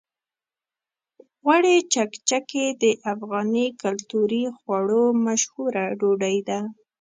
غوړي چکچکي د افغاني کلتوري خواړو مشهوره ډوډۍ ده.